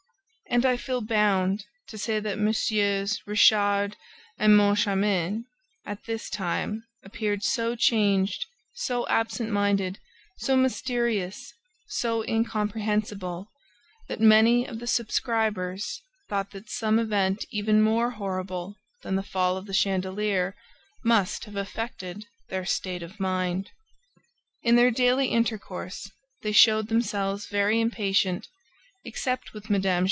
And I feel bound to say that MM. Richard and Moncharmin at this time appeared so changed, so absent minded, so mysterious, so incomprehensible that many of the subscribers thought that some event even more horrible than the fall of the chandelier must have affected their state of mind. In their daily intercourse, they showed themselves very impatient, except with Mme.